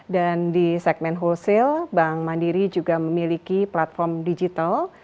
dan di segmen wholesale bank mandiri juga memiliki platform digital